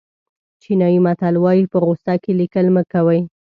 چینایي متل وایي په غوسه کې لیکل مه کوئ.